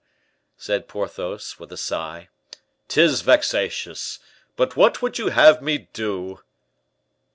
said Porthos, with a sigh, "'tis vexatious, but what would you have me do?"